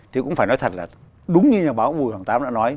thì cũng phải nói thật là đúng như nhà báo bùi hoàng tám đã nói